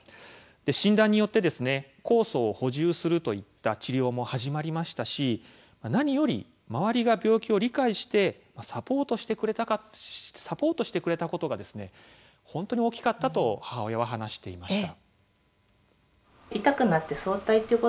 診断によって酵素を補充するといった治療も始まりましたし何より周りが病気を理解してサポートしてくれたことが本当に大きかったと母親は話していました。